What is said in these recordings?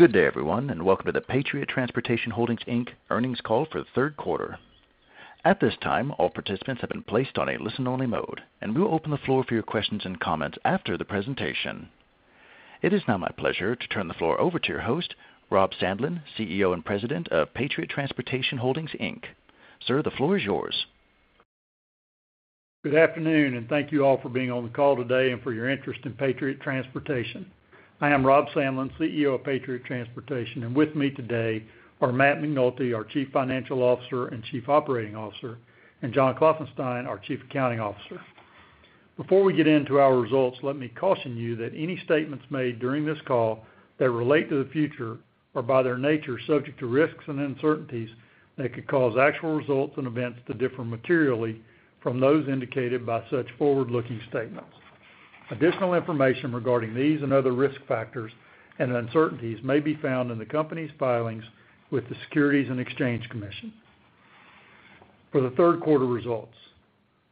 Good day, everyone, and welcome to the Patriot Transportation Holding, Inc. earnings call for the third quarter. At this time, all participants have been placed on a listen-only mode, and we will open the floor for your questions and comments after the presentation. It is now my pleasure to turn the floor over to your host, Rob Sandlin, CEO and President of Patriot Transportation Holding, Inc. Sir, the floor is yours. Good afternoon, and thank you all for being on the call today and for your interest in Patriot Transportation. I am Rob Sandlin, CEO of Patriot Transportation, and with me today are Matt McNulty, our Chief Financial Officer and Chief Operating Officer, and John Klopfenstein, our Chief Accounting Officer. Before we get into our results, let me caution you that any statements made during this call that relate to the future are, by their nature, subject to risks and uncertainties that could cause actual results and events to differ materially from those indicated by such forward-looking statements. Additional information regarding these and other risk factors and uncertainties may be found in the company's filings with the Securities and Exchange Commission. For the third quarter results.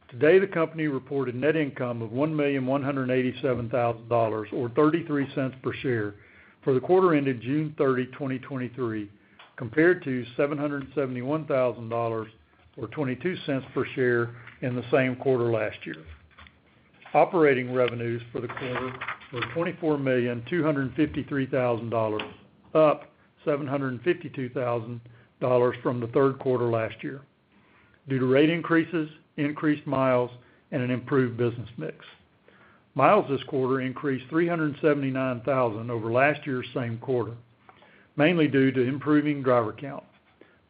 Today, the company reported net income of $1,187,000 or $0.33 per share for the quarter ended June 30, 2023, compared to $771,000, or $0.22 per share in the same quarter last year. Operating revenues for the quarter were $24,253,000, up $752,000 from the third quarter last year due to rate increases, increased miles, and an improved business mix. Miles this quarter increased 379,000 over last year's same quarter, mainly due to improving driver count.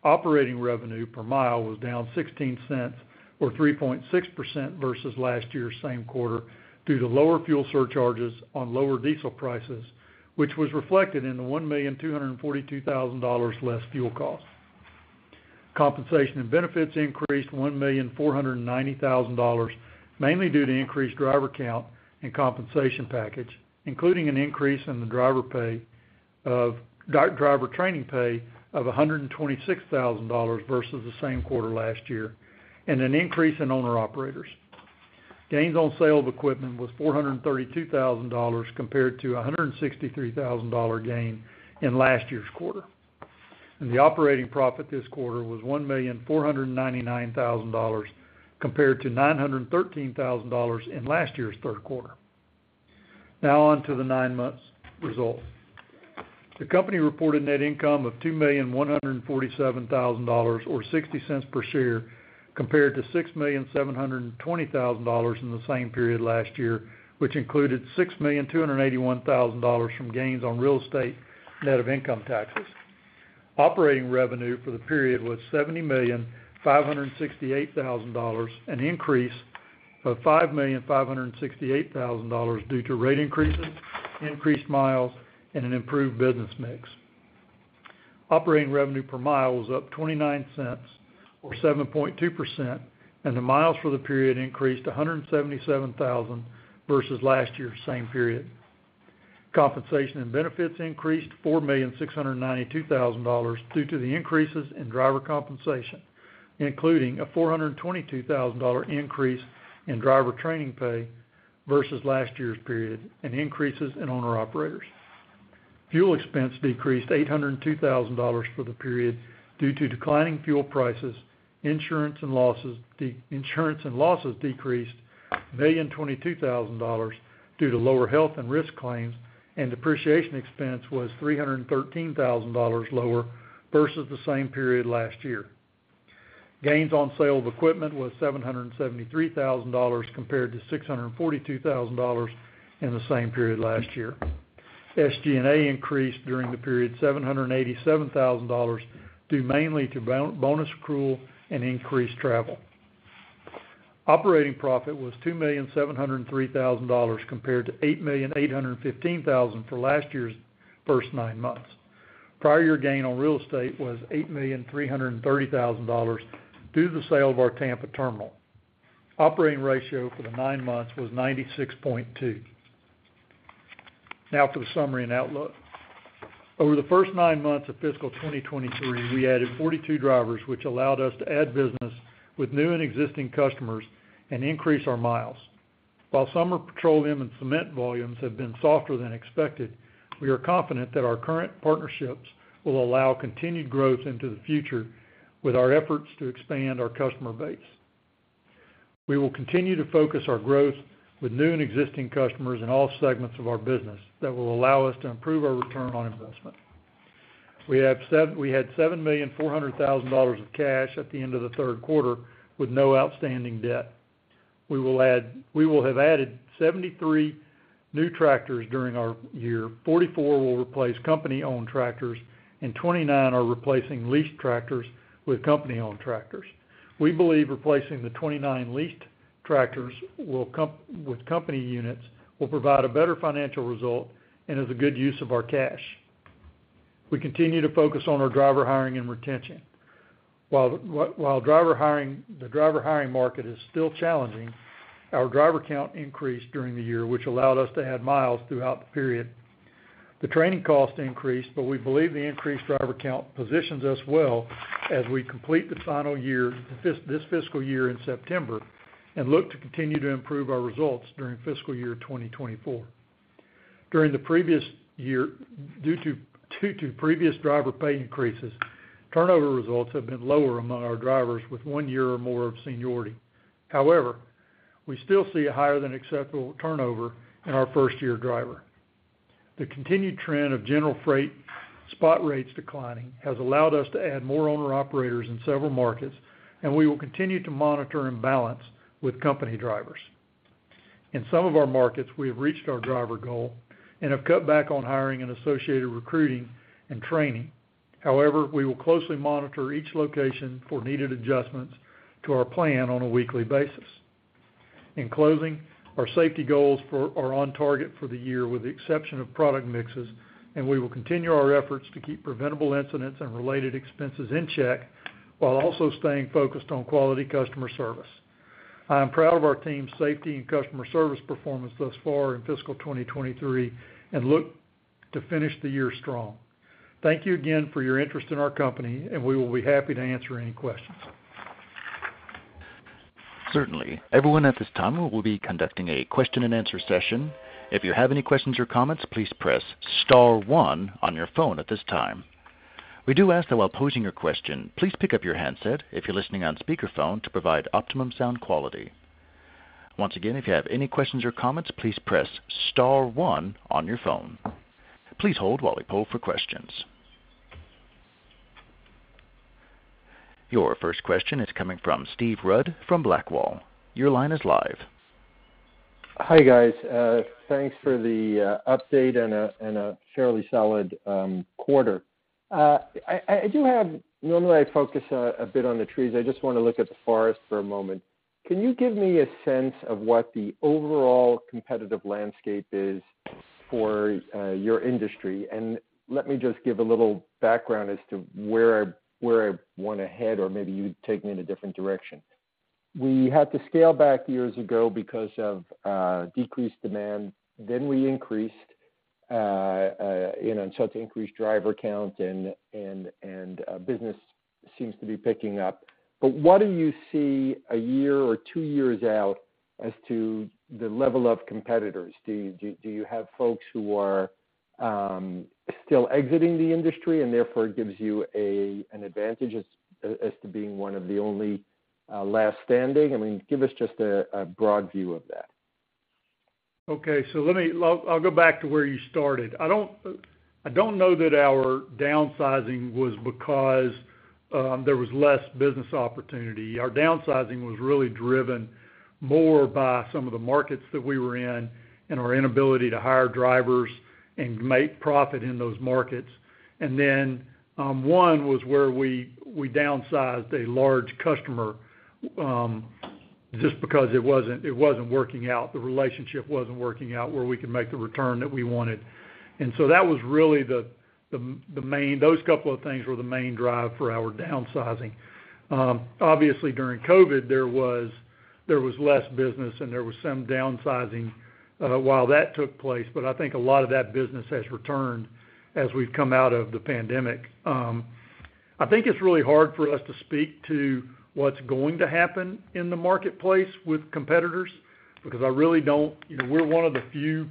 Operating revenue per mile was down $0.16 or 3.6% versus last year's same quarter due to lower fuel surcharges on lower diesel prices, which was reflected in the $1,242,000 less fuel costs. Compensation and benefits increased $1,490,000, mainly due to increased driver count and compensation package, including an increase in driver training pay of $126,000 versus the same quarter last year, and an increase in owner-operators. Gains on sale of equipment was $432,000, compared to a $163,000 gain in last year's quarter. The operating profit this quarter was $1,499,000, compared to $913,000 in last year's third quarter. Now on to the nine months results. The company reported net income of $2,147,000 or $0.60 per share, compared to $6,720,000 in the same period last year, which included $6,281,000 from gains on real estate, net of income taxes. Operating revenue for the period was $70,568,000, an increase of $5,568,000 due to rate increases, increased miles, and an improved business mix. Operating revenue per mile was up $0.29 or 7.2%, the miles for the period increased 177,000 versus last year's same period. Compensation and benefits increased $4,692,000 due to the increases in driver compensation, including a $422,000 increase in driver training pay versus last year's period and increases in owner-operators. Fuel expense decreased $802,000 for the period due to declining fuel prices. Insurance and losses decreased $1,022,000 due to lower health and risk claims, and depreciation expense was $313,000 lower versus the same period last year. Gains on sale of equipment was $773,000, compared to $642,000 in the same period last year. SG&A increased during the period $787,000, due mainly to bonus accrual and increased travel. Operating profit was $2,703,000, compared to $8,815,000 for last year's first nine months. Prior year gain on real estate was $8,330,000 due to the sale of our Tampa terminal. Operating ratio for the nine months was 96.2. Now for the summary and outlook. Over the first nine months of fiscal 2023, we added 42 drivers, which allowed us to add business with new and existing customers and increase our miles. While summer petroleum and cement volumes have been softer than expected, we are confident that our current partnerships will allow continued growth into the future with our efforts to expand our customer base. We will continue to focus our growth with new and existing customers in all segments of our business that will allow us to improve our return on investment. We had $7.4 million of cash at the end of the third quarter, with no outstanding debt. We will have added 73 new tractors during our year. 44 will replace company-owned tractors and 29 are replacing leased tractors with company-owned tractors. We believe replacing the 29 leased tractors with company units will provide a better financial result and is a good use of our cash. We continue to focus on our driver hiring and retention. While the driver hiring market is still challenging, our driver count increased during the year, which allowed us to add miles throughout the period. The training costs increased, but we believe the increased driver count positions us well as we complete the final year, this fiscal year in September, and look to continue to improve our results during fiscal year 2024. During the previous year, due to previous driver pay increases, turnover results have been lower among our drivers with 1 year or more of seniority. We still see a higher than acceptable turnover in our first-year driver. The continued trend of general freight spot rates declining has allowed us to add more owner-operators in several markets, and we will continue to monitor and balance with company drivers. In some of our markets, we have reached our driver goal and have cut back on hiring and associated recruiting and training. We will closely monitor each location for needed adjustments to our plan on a weekly basis. In closing, our safety goals for, are on target for the year, with the exception of product mixes, and we will continue our efforts to keep preventable incidents and related expenses in check, while also staying focused on quality customer service. I am proud of our team's safety and customer service performance thus far in fiscal 2023, and look to finish the year strong. Thank you again for your interest in our company, and we will be happy to answer any questions. Certainly. Everyone at this time, we'll be conducting a question-and-answer session. If you have any questions or comments, please press star one on your phone at this time. We do ask that while posing your question, please pick up your handset if you're listening on speakerphone to provide optimum sound quality. Once again, if you have any questions or comments, please press star one on your phone. Please hold while we poll for questions. Your first question is coming from Steve Rudd from Blackwell. Your line is live. Hi, guys. Thanks for the update and a fairly solid quarter. I do have. Normally, I focus a bit on the trees. I just want to look at the forest for a moment. Can you give me a sense of what the overall competitive landscape is for your industry? Let me just give a little background as to where I, where I want to head, or maybe you take me in a different direction. We had to scale back years ago because of decreased demand, then we increased, you know, and so to increase driver count and business seems to be picking up. What do you see a year or 2 years out as to the level of competitors? Do you have folks who are still exiting the industry and therefore it gives you an advantage as to being one of the only last standing? I mean, give us just a broad view of that. Okay, let me... I'll, I'll go back to where you started. I don't, I don't know that our downsizing was because there was less business opportunity. Our downsizing was really driven more by some of the markets that we were in and our inability to hire drivers and make profit in those markets. One was where we, we downsized a large customer just because it wasn't, it wasn't working out, the relationship wasn't working out where we could make the return that we wanted. That was really the, the, the main... Those couple of things were the main drive for our downsizing. Obviously, during COVID, there was, there was less business and there was some downsizing while that took place, but I think a lot of that business has returned as we've come out of the pandemic. I think it's really hard for us to speak to what's going to happen in the marketplace with competitors, because I really don't. You know, we're one of the few,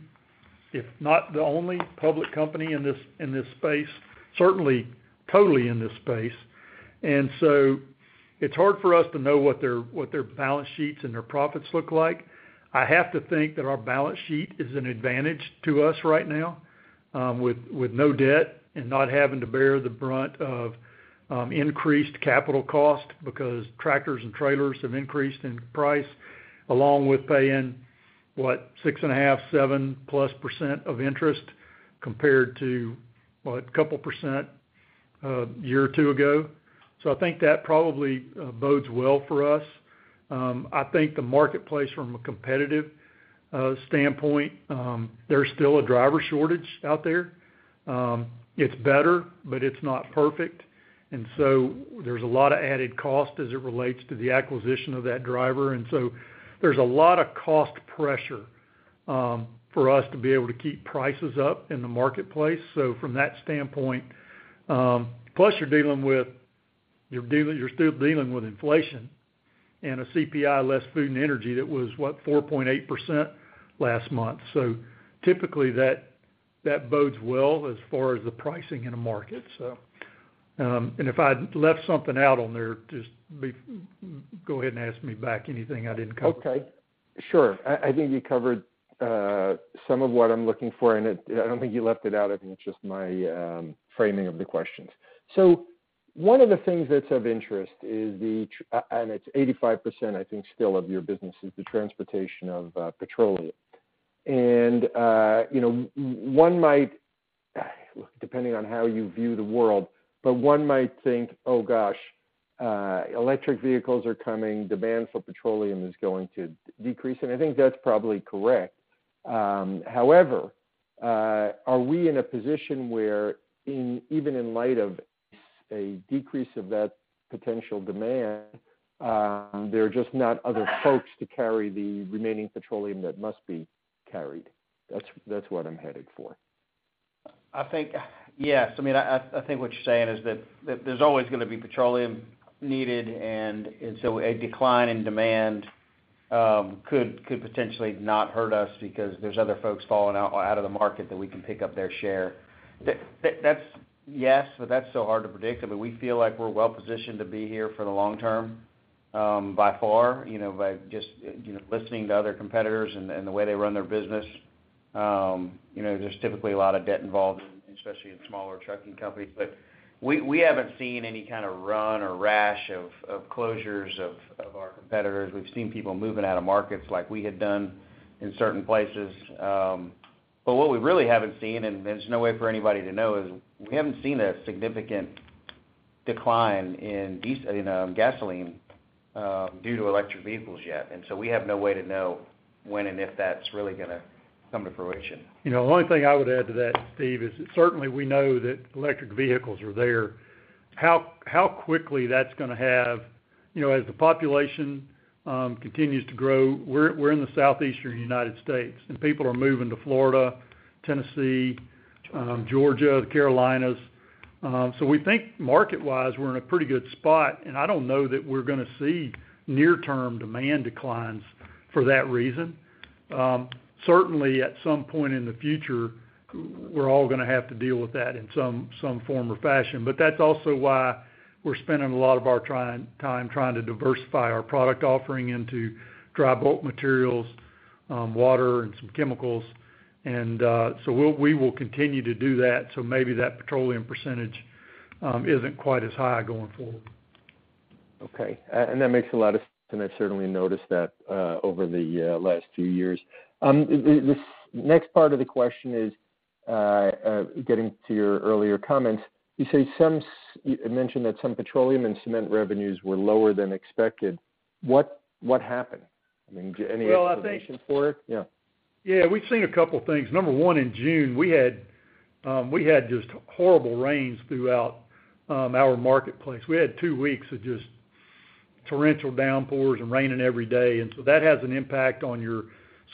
if not the only public company in this, in this space, certainly, totally in this space. It's hard for us to know what their, what their balance sheets and their profits look like. I have to think that our balance sheet is an advantage to us right now, with no debt and not having to bear the brunt of increased capital cost, because tractors and trailers have increased in price, along with paying, what? 6.5%, 7%+ interest compared to, what, a couple percent a year or two ago. I think that probably bodes well for us. I think the marketplace from a competitive standpoint, there's still a driver shortage out there. It's better, but it's not perfect, there's a lot of added cost as it relates to the acquisition of that driver, there's a lot of cost pressure for us to be able to keep prices up in the marketplace. From that standpoint, plus, you're dealing with, you're dealing, you're still dealing with inflation and a CPI, less food and energy, that was, what, 4.8% last month. Typically, that, that bodes well as far as the pricing in a market. If I left something out on there, just go ahead and ask me back anything I didn't cover. Okay, sure. I, I think you covered some of what I'm looking for, I don't think you left it out. I think it's just my framing of the questions. One of the things that's of interest is the... and it's 85%, I think, still of your business is the transportation of petroleum. You know, one might, depending on how you view the world, but one might think: Oh, gosh, electric vehicles are coming, demand for petroleum is going to decrease. I think that's probably correct. However, are we in a position where in, even in light of a decrease of that potential demand, there are just not other folks to carry the remaining petroleum that must be carried? That's, that's what I'm headed for.... I think, yes, I mean, I think what you're saying is that there's always gonna be petroleum needed, and so a decline in demand could potentially not hurt us because there's other folks falling out of the market that we can pick up their share. That's, yes, but that's so hard to predict. I mean, we feel like we're well positioned to be here for the long term, by far, you know, by just, you know, listening to other competitors and the way they run their business. You know, there's typically a lot of debt involved, especially in smaller trucking companies. We haven't seen any kind of run or rash of closures of our competitors. We've seen people moving out of markets like we had done in certain places. What we really haven't seen, and there's no way for anybody to know, is we haven't seen a significant decline in you know, in gasoline, due to electric vehicles yet. So we have no way to know when and if that's really gonna come to fruition. You know, the only thing I would add to that, Steve, is certainly we know that electric vehicles are there. How, how quickly that's gonna have... You know, as the population continues to grow, we're, we're in the Southeastern United States, and people are moving to Florida, Tennessee, Georgia, the Carolinas. We think market-wise, we're in a pretty good spot, and I don't know that we're gonna see near-term demand declines for that reason. Certainly, at some point in the future, we're all gonna have to deal with that in some, some form or fashion. That's also why we're spending a lot of our time trying to diversify our product, offering into dry bulk materials, water, and some chemicals. We will continue to do that, so maybe that petroleum percentage isn't quite as high going forward. Okay. That makes a lot of sense, and I've certainly noticed that over the last few years. The next part of the question is getting to your earlier comments. You mentioned that some petroleum and cement revenues were lower than expected. What, what happened? I mean, any explanation for it? Well, I think- Yeah. Yeah, we've seen a couple things. Number one, in June, we had, we had just horrible rains throughout our marketplace. We had two weeks of just torrential downpours and raining every day, and so that has an impact on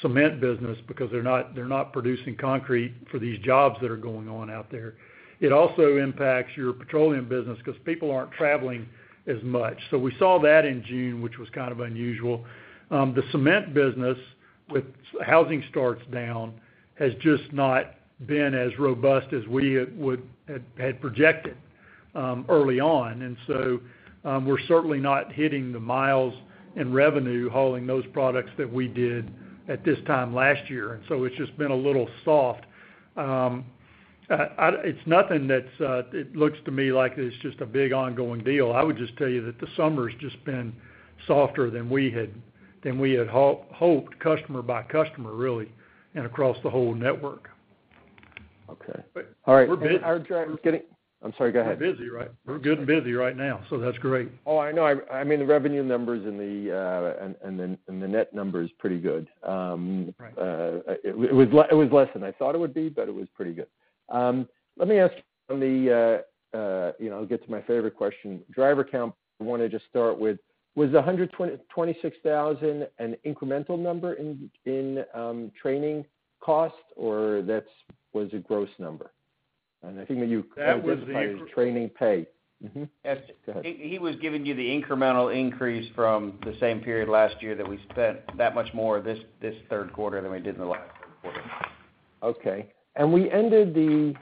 your cement business because they're not, they're not producing concrete for these jobs that are going on out there. It also impacts your petroleum business because people aren't traveling as much. So we saw that in June, which was kind of unusual. The cement business, with housing starts down, has just not been as robust as we would-- had, had projected early on. We're certainly not hitting the miles in revenue, hauling those products that we did at this time last year, and so it's just been a little soft. it's nothing that's, it looks to me like it's just a big ongoing deal. I would just tell you that the summer's just been softer than we had, than we had hoped, customer by customer, really, and across the whole network. Okay. All right. We're busy. Our driver's getting... I'm sorry, go ahead. We're busy, right? We're good and busy right now, so that's great. Oh, I know. I, I mean, the revenue numbers and the, and, and the, and the net number is pretty good. Right. It was less than I thought it would be, but it was pretty good. Let me ask on the, you know, I'll get to my favorite question. Driver count, I want to just start with, was the 126,000 an incremental number in training costs, or that's was a gross number? I think that you identified the training pay. That was. Mm-hmm. He was giving you the incremental increase from the same period last year that we spent that much more this third quarter than we did in the last third quarter. Okay. We ended the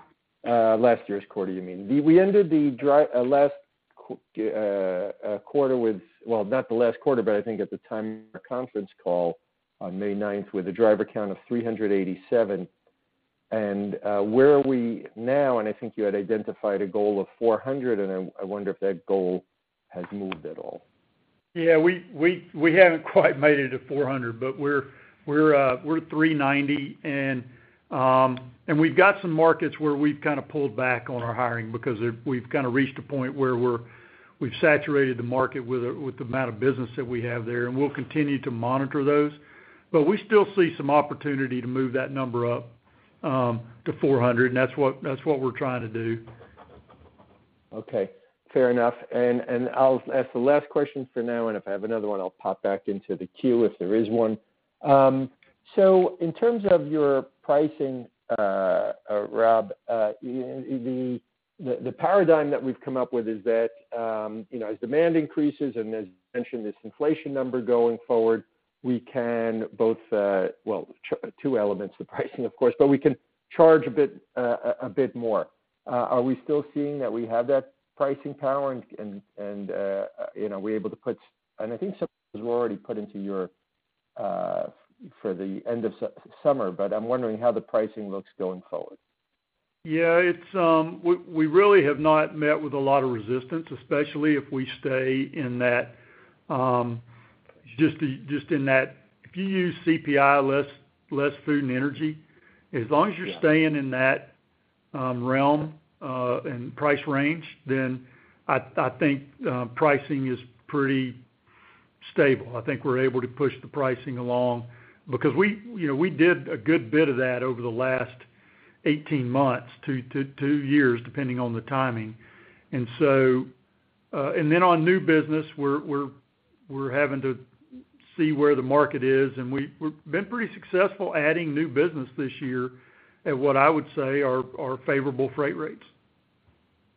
last year's quarter, you mean. We, we ended the last quarter with... Well, not the last quarter, but I think at the time of our conference call on May 9th, with a driver count of 387. Where are we now? I think you had identified a goal of 400, and I, I wonder if that goal has moved at all. Yeah, we, we, we haven't quite made it to 400, but we're, we're, we're at 390. We've got some markets where we've kind of pulled back on our hiring because we've, we've kind of reached a point where we've saturated the market with the, with the amount of business that we have there, and we'll continue to monitor those. We still see some opportunity to move that number up to 400, and that's what, that's what we're trying to do. Okay. Fair enough. I'll ask the last question for now, and if I have another one, I'll pop back into the queue if there is one. In terms of your pricing, Rob, the paradigm that we've come up with is that, you know, as demand increases and as you mentioned, this inflation number going forward, we can both... Well, two elements of pricing, of course, but we can charge a bit more. Are we still seeing that we have that pricing power, and, you know, are we able to put and I think some was already put into your for the end of summer, but I'm wondering how the pricing looks going forward. Yeah, it's, we, we really have not met with a lot of resistance, especially if we stay in that, if you use CPI, less, less food and energy, as long as you're- Yeah... staying in that realm and price range, then I, I think, pricing is pretty stable. I think we're able to push the pricing along because we, you know, we did a good bit of that over the last 18 months to 2 years, depending on the timing. On new business, we're, we're, we're having to see where the market is, and we, we've been pretty successful adding new business this year at what I would say are favorable freight rates.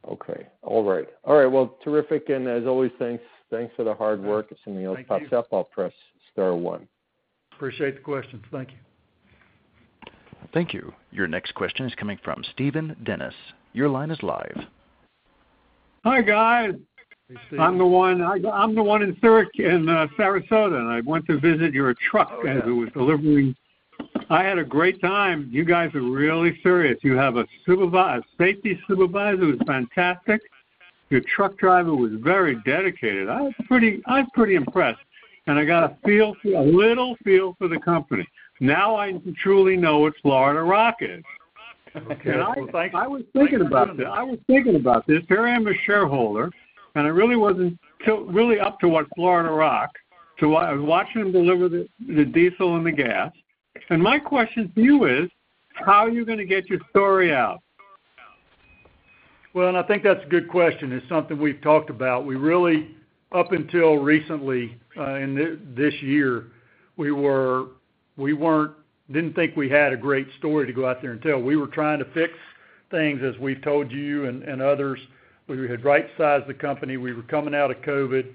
Okay. All right. All right, well, terrific, and as always, thanks, thanks for the hard work. As something else pops up, I'll press star one. Appreciate the question. Thank you. Thank you. Your next question is coming from Stephen Dennis. Your line is live. Hi, guys. Hey, Steve. I'm the one, I'm the one in Syrac- in, Sarasota, and I went to visit your truck-. Oh, yeah. that was delivering. I had a great time. You guys are really serious. You have a supervisor, a safety supervisor, who's fantastic. Your truck driver was very dedicated. I was pretty impressed, and I got a feel for a little feel for the company. Now, I truly know what Florida Rock is. Okay. I was thinking about this. I was thinking about this. Here I am, a shareholder, and I really wasn't really up to what Florida Rock, so I watched them deliver the, the diesel and the gas. My question to you is: How are you gonna get your story out? I think that's a good question. It's something we've talked about. We really, up until recently, this year, we didn't think we had a great story to go out there and tell. We were trying to fix things, as we've told you and, and others. We had right-sized the company. We were coming out of COVID.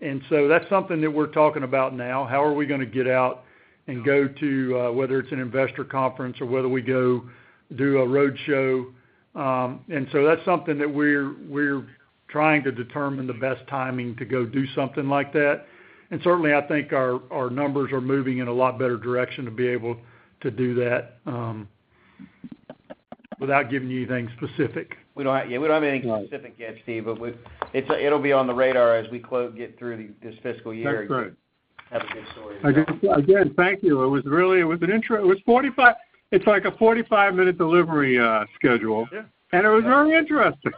That's something that we're talking about now. How are we gonna get out and go to, whether it's an investor conference or whether we go do a roadshow? That's something that we're, we're trying to determine the best timing to go do something like that. Certainly, I think our, our numbers are moving in a lot better direction to be able to do that, without giving you anything specific. We don't have, yeah, we don't have anything specific yet, Steve, but it's, it'll be on the radar as we get through this fiscal year. That's great. Have a good story. Again, thank you. It was really, It's like a 45-minute delivery schedule. Yeah. It was very interesting.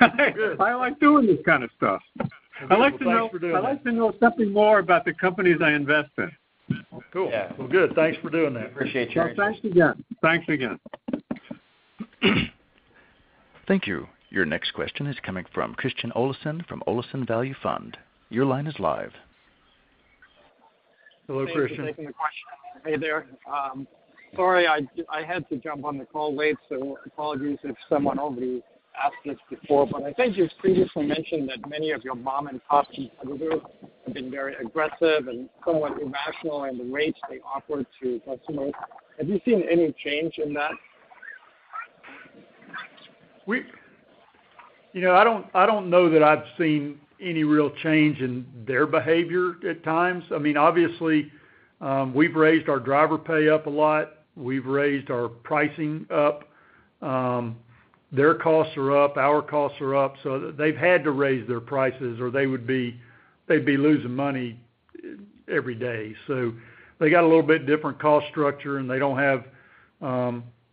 Good. I like doing this kind of stuff. Well, thanks for doing it. I'd like to know, I'd like to know something more about the companies I invest in. Cool. Yeah. Well, good. Thanks for doing that. Appreciate you. Thanks again. Thanks again. Thank you. Your next question is coming from Christian Olesen from Olesen Value Fund. Your line is live. Hello, Christian. Thanks for taking the question. Hey there. Sorry, I had to jump on the call late, so apologies if someone already asked this before, but I think you've previously mentioned that many of your mom-and-pop competitors have been very aggressive and somewhat irrational in the rates they offer to customers. Have you seen any change in that? You know, I don't, I don't know that I've seen any real change in their behavior at times. I mean, obviously, we've raised our driver pay up a lot. We've raised our pricing up. Their costs are up, our costs are up, so they've had to raise their prices, or they'd be losing money every day. They got a little bit different cost structure, and they don't have,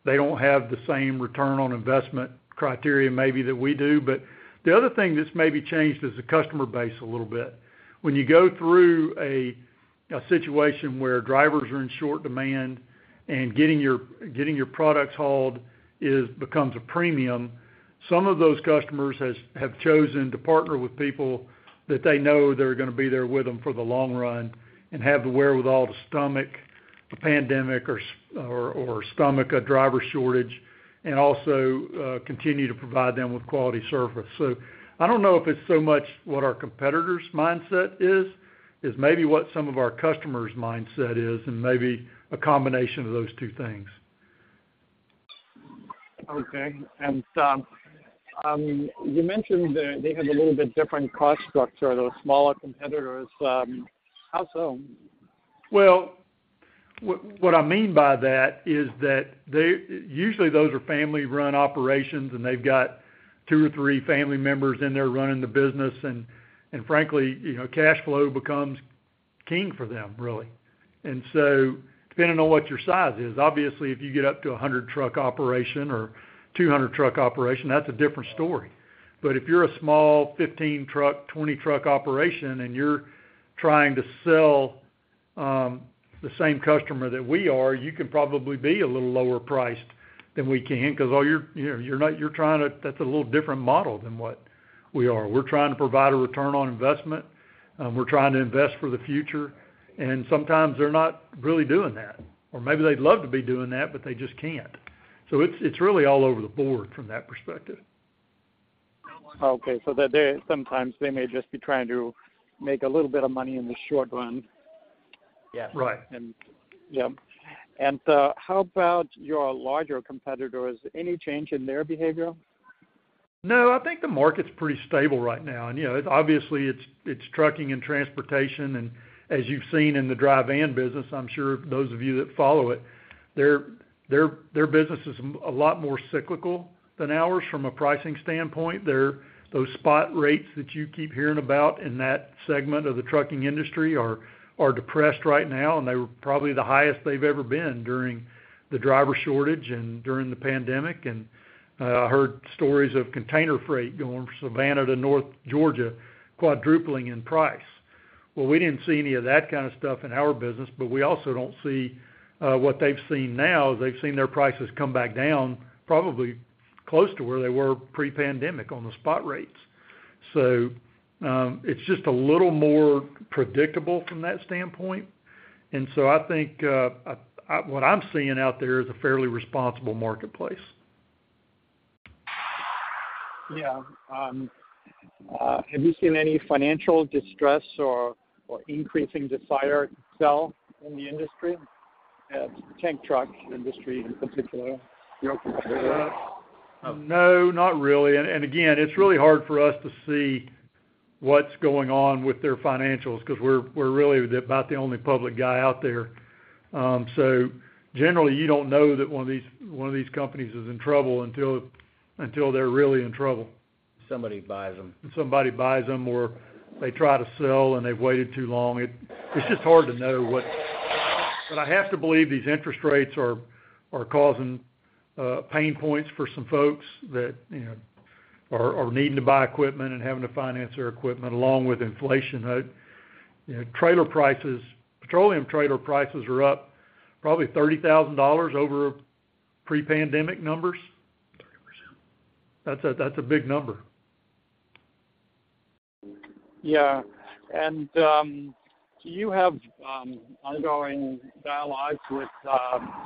they don't have the same return on investment criteria maybe that we do. The other thing that's maybe changed is the customer base a little bit. When you go through a situation where drivers are in short demand and getting your, getting your products hauled is, becomes a premium, some of those customers have chosen to partner with people that they know they're gonna be there with them for the long run and have the wherewithal to stomach a pandemic or stomach a driver shortage and also continue to provide them with quality service. I don't know if it's so much what our competitors' mindset is. It's maybe what some of our customers' mindset is and maybe a combination of those two things. Okay. You mentioned that they have a little bit different cost structure, those smaller competitors. How so? Well, what, what I mean by that is that usually, those are family-run operations, and they've got two or three family members in there running the business. Frankly, you know, cash flow becomes king for them, really. Depending on what your size is, obviously, if you get up to a 100 truck operation or 200 truck operation, that's a different story. If you're a small, 15 truck, 20 truck operation, and you're trying to sell, the same customer that we are, you can probably be a little lower priced than we can because all you're, you're trying to... That's a little different model than what we are. We're trying to provide a return on investment, we're trying to invest for the future, and sometimes they're not really doing that. Or maybe they'd love to be doing that, but they just can't. It's, it's really all over the board from that perspective. Okay. Sometimes they may just be trying to make a little bit of money in the short run. Yeah. Right. Yep. How about your larger competitors? Any change in their behavior? No, I think the market's pretty stable right now, and, you know, obviously, it's, it's trucking and transportation. As you've seen in the dry van business, I'm sure those of you that follow it, their, their, their business is a lot more cyclical than ours from a pricing standpoint. Those spot rates that you keep hearing about in that segment of the trucking industry are, are depressed right now, and they were probably the highest they've ever been during the driver shortage and during the pandemic. I heard stories of container freight going from Savannah to North Georgia, quadrupling in price. Well, we didn't see any of that kind of stuff in our business, but we also don't see what they've seen now, they've seen their prices come back down, probably close to where they were pre-pandemic on the spot rates. It's just a little more predictable from that standpoint. I think what I'm seeing out there is a fairly responsible marketplace. Yeah. Have you seen any financial distress or, or increasing desire to sell in the industry, tank truck industry in particular? No, not really. And again, it's really hard for us to see what's going on with their financials, 'cause we're, we're really about the only public guy out there. Generally, you don't know that one of these, one of these companies is in trouble until, until they're really in trouble. Somebody buys them. Somebody buys them, or they try to sell, and they've waited too long. It's just hard to know what. I have to believe these interest rates are, are causing pain points for some folks that, you know, are, are needing to buy equipment and having to finance their equipment, along with inflation. You know, trailer prices-- petroleum trailer prices are up probably $30,000 over pre-pandemic numbers. 30%. That's a, that's a big number. Yeah. Do you have ongoing dialogues with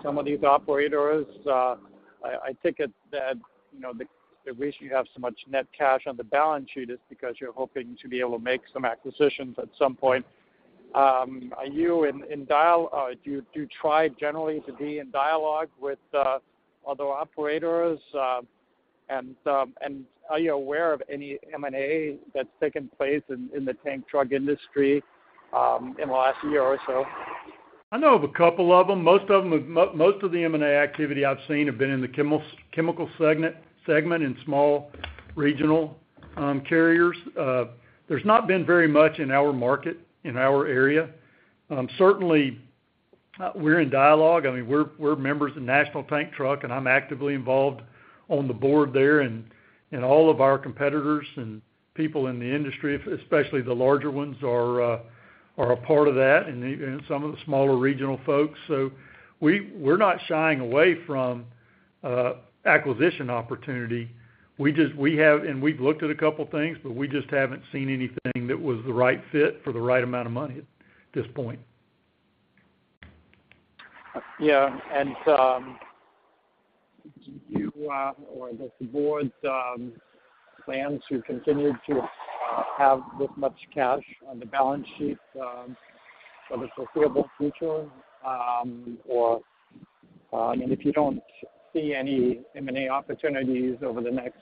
some of these operators? I, I think it that, you know, the, the reason you have so much net cash on the balance sheet is because you're hoping to be able to make some acquisitions at some point. Are you in, do you, do you try generally to be in dialogue with other operators? Are you aware of any M&A that's taken place in, in the tank truck industry in the last year or so? I know of a couple of them. Most of them, most of the M&A activity I've seen have been in the chemical segment, in small regional carriers. There's not been very much in our market, in our area. Certainly, we're in dialogue. I mean, we're, we're members of National Tank Truck, and I'm actively involved on the board there, and all of our competitors and people in the industry, especially the larger ones, are a part of that, and even some of the smaller regional folks. We're not shying away from acquisition opportunity. We just. We have, and we've looked at a couple things, but we just haven't seen anything that was the right fit for the right amount of money at this point. Yeah. Do you, or does the board, plan to continue to have this much cash on the balance sheet for the foreseeable future? If you don't see any M&A opportunities over the next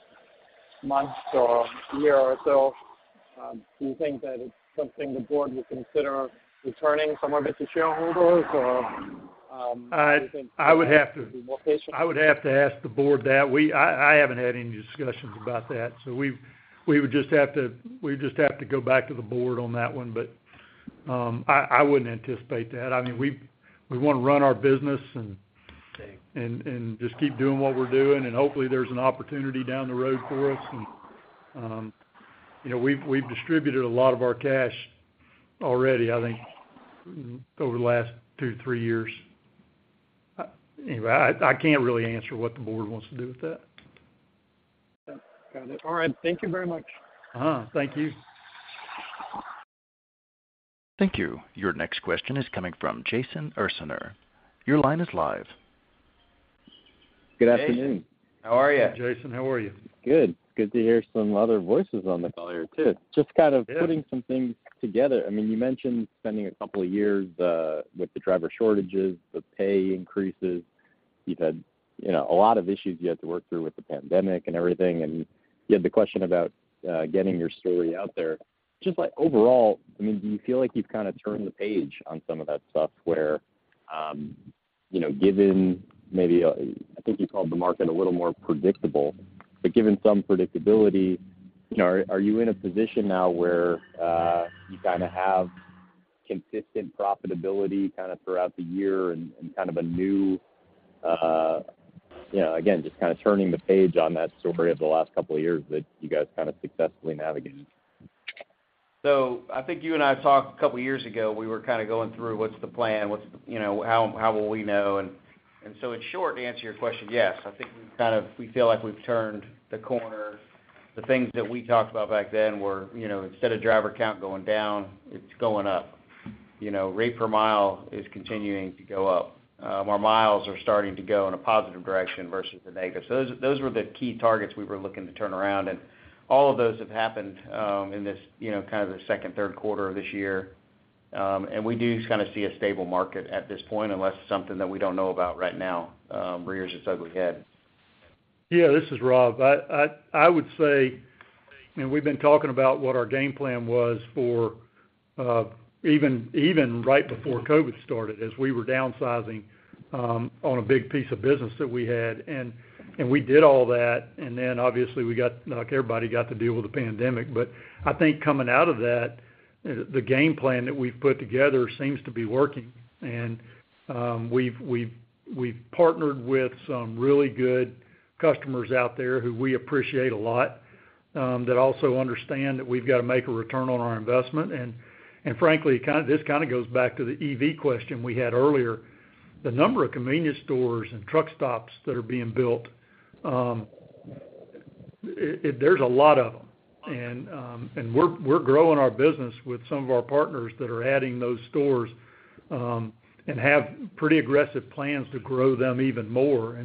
months or year or so, do you think that it's something the board would consider returning some of it to shareholders, or, do you think- I would have to- Be more patient? I would have to ask the board that. I, I haven't had any discussions about that, so we would just have to, we'd just have to go back to the board on that one. I, I wouldn't anticipate that. I mean, we, we wanna run our business and, and, and just keep doing what we're doing, and hopefully, there's an opportunity down the road for us. You know, we've, we've distributed a lot of our cash already, I think, over the last two to three years. Anyway, I, I can't really answer what the board wants to do with that. Yeah. Got it. All right. Thank you very much. Uh-huh. Thank you. Thank you. Your next question is coming from Jason Ursaner. Your line is live. Good afternoon. Jason, how are you? Hi, Jason. How are you? Good. Good to hear some other voices on the call here, too. Just kind of- Yeah... putting some things together. I mean, you mentioned spending 2 years, with the driver shortages, the pay increases. You've had, you know, a lot of issues you had to work through with the pandemic and everything, and you had the question about getting your story out there. Just like overall, I mean, do you feel like you've kind of turned the page on some of that stuff where, you know, given maybe, I think you called the market a little more predictable, but given some predictability, you know, are, are you in a position now where you kinda have consistent profitability kinda throughout the year and, and kind of a new, you know, again, just kinda turning the page on that story of the last 2 years that you guys kinda successfully navigated? I think you and I talked two years ago. We were kinda going through what's the plan, what's, you know, how, how will we know? In short, to answer your question, yes. I think we've kind of we feel like we've turned the corner. The things that we talked about back then were, you know, instead of driver count going down, it's going up. You know, rate per mile is continuing to go up. Our miles are starting to go in a positive direction versus the negative. Those, those were the key targets we were looking to turn around, and all of those have happened, in this, you know, kind of the second, third quarter of this year. We do kind of see a stable market at this point, unless there's something that we don't know about right now, rears its ugly head. Yeah, this is Rob. I, I, I would say, you know, we've been talking about what our game plan was for, even, even right before COVID started, as we were downsizing, on a big piece of business that we had. We did all that, and then obviously, we got-- like everybody, got to deal with the pandemic. I think coming out of that, the game plan that we've put together seems to be working. We've, we've, we've partnered with some really good customers out there who we appreciate a lot. That also understand that we've got to make a return on our investment. Frankly, kind of, this kind of goes back to the EV question we had earlier. The number of convenience stores and truck stops that are being built, it-- there's a lot of them. We're, we're growing our business with some of our partners that are adding those stores and have pretty aggressive plans to grow them even more.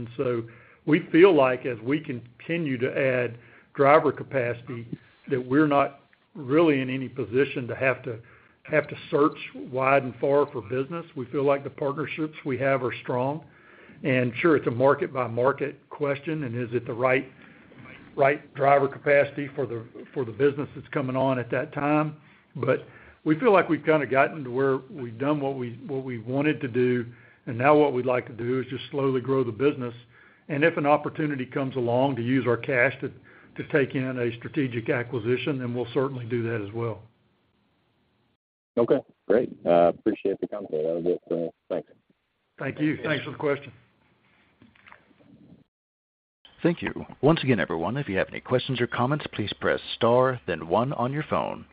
We feel like as we continue to add driver capacity, that we're not really in any position to have to, have to search wide and far for business. We feel like the partnerships we have are strong. Sure, it's a market-by-market question, and is it the right, right driver capacity for the, for the business that's coming on at that time? We feel like we've kind of gotten to where we've done what we, what we wanted to do, and now what we'd like to do is just slowly grow the business. If an opportunity comes along to use our cash to, to take in a strategic acquisition, then we'll certainly do that as well. Okay, great. I appreciate the company. That was it. Thank you. Thank you. Thanks for the question. Thank you. Once again, everyone, if you have any questions or comments, please press Star, then 1 on your phone.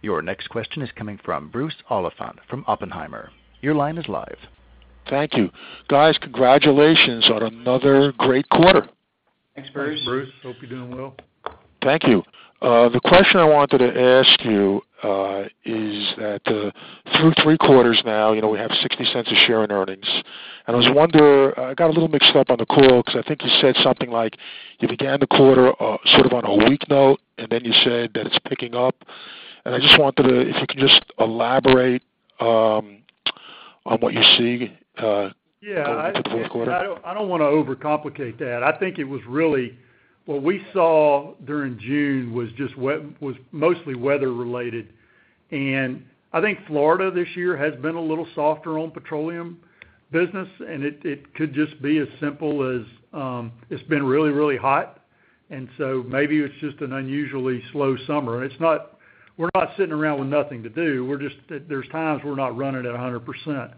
Your next question is coming from Bruce Oliphant from Oppenheimer. Your line is live. Thank you. Guys, congratulations on another great quarter! Thanks, Bruce. Bruce, hope you're doing well. Thank you. The question I wanted to ask you, is that, through three quarters now, you know, we have $0.60 a share in earnings. I was wondering, I got a little mixed up on the call because I think you said something like, you began the quarter, sort of, on a weak note, and then you said that it's picking up. I just wanted to if you can just elaborate on what you see? Yeah. Going into the fourth quarter. I don't, I don't want to overcomplicate that. I think it was really what we saw during June was just was mostly weather related. I think Florida this year has been a little softer on petroleum business, and it, it could just be as simple as, it's been really, really hot, and so maybe it's just an unusually slow summer. We're not sitting around with nothing to do. We're just, there's times we're not running at 100%.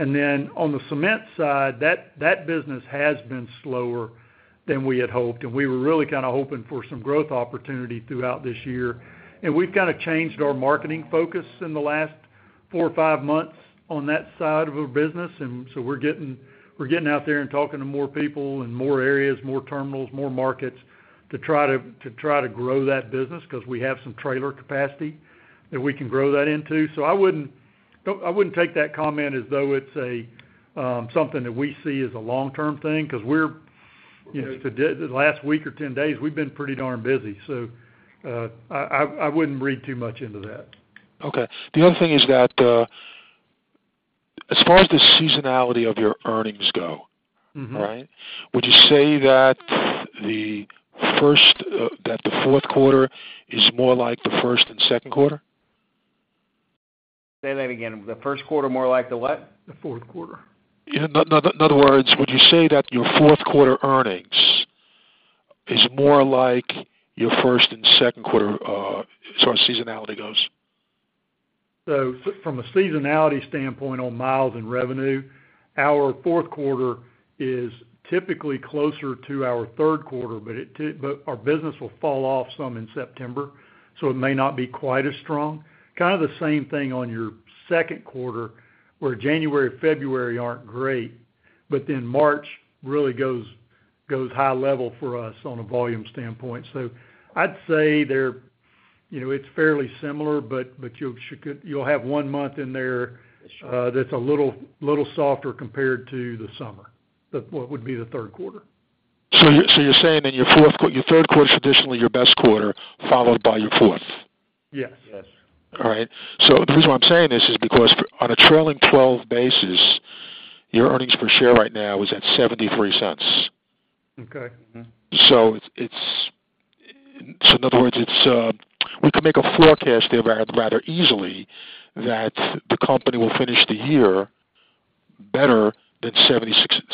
On the cement side, that, that business has been slower than we had hoped, and we were really kind of hoping for some growth opportunity throughout this year. We've kind of changed our marketing focus in the last four or five months on that side of our business. We're getting, we're getting out there and talking to more people in more areas, more terminals, more markets, to try to grow that business because we have some trailer capacity that we can grow that into. I wouldn't, I wouldn't take that comment as though it's a something that we see as a long-term thing, because we're, you know, the last week or ten days, we've been pretty darn busy, so I wouldn't read too much into that. Okay. The other thing is that, as far as the seasonality of your earnings go- Mm-hmm. right? Would you say that the first, that the fourth quarter is more like the first and second quarter? Say that again. The first quarter more like the what? The fourth quarter. Yeah. In other, in other words, would you say that your fourth quarter earnings is more like your first and second quarter, as far as seasonality goes? From a seasonality standpoint, on miles and revenue, our fourth quarter is typically closer to our third quarter, but our business will fall off some in September, so it may not be quite as strong. Kind of the same thing on your second quarter, where January, February aren't great, but then March really goes, goes high level for us on a volume standpoint. I'd say they're, you know, it's fairly similar, but, but you'll have 1 month in there, that's a little, little softer compared to the summer, but what would be the third quarter. You're saying that your fourth quarter, your third quarter is traditionally your best quarter, followed by your fourth? Yes. Yes. All right. The reason why I'm saying this is because on a trailing 12 basis, your earnings per share right now is at $0.73. Okay. Mm-hmm. In other words, it's, we can make a forecast there rather, rather easily that the company will finish the year better than 76--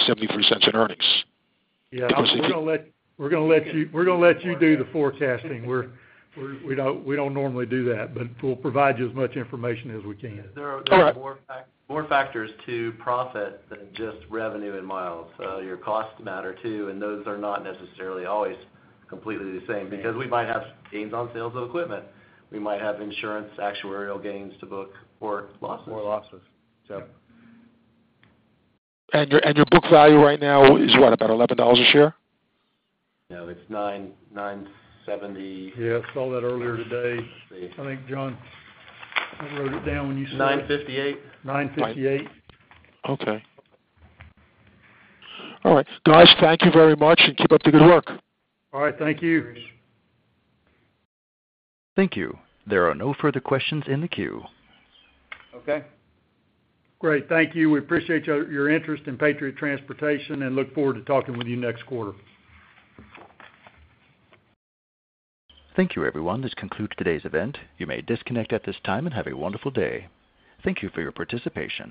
$0.73 in earnings. Yeah. We're going to let you do the forecasting. We don't normally do that, but we'll provide you as much information as we can. All right. There are more factors to profit than just revenue and miles. Your costs matter, too. Those are not necessarily always completely the same, because we might have gains on sales of equipment, we might have insurance, actuarial gains to book, or losses. losses. Your, and your book value right now is what? About $11 a share? No, it's $9.70. Yeah, I saw that earlier today. I think, John, I wrote it down when you said- $9.58. $9.58. Okay. All right, guys, thank you very much, and keep up the good work. All right. Thank you. Thank you. There are no further questions in the queue. Okay. Great. Thank you. We appreciate your, your interest in Patriot Transportation and look forward to talking with you next quarter. Thank you, everyone. This concludes today's event. You may disconnect at this time and have a wonderful day. Thank you for your participation.